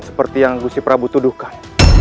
seperti yang gusi prabu tuduhkan